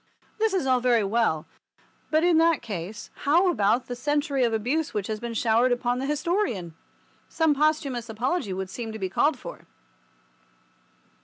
This is all very well, but in that case how about the century of abuse which has been showered upon the historian? Some posthumous apology would seem to be called for.